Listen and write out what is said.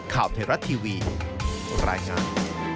ข่าวไทยรัฐทีวีรายงาน